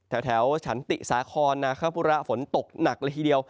แถวแถวชันติสาครนาฮพุระฝนตกหนักหลีกเดียว